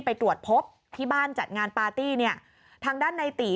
ไปตรวจพบที่บ้านจัดงานปาร์ตี้ทางด้านนายติ